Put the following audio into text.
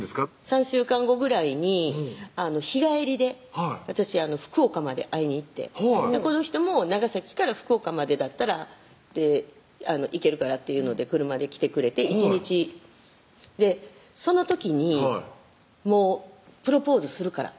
３週間後ぐらいに日帰りで私福岡まで会いに行ってこの人も長崎から福岡までだったら行けるからっていうので車で来てくれて１日「その時にもうプロポーズするから」